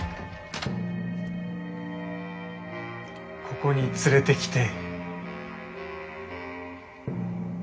ここに連れてきて。